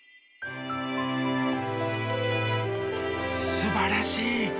すばらしい。